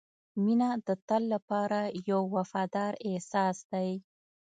• مینه د تل لپاره یو وفادار احساس دی.